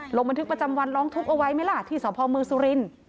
ลงบันทึกประจำวันร้องทุกข์เอาไว้ไหมล่ะที่สพมสุรินทร์